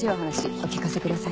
お聞かせください。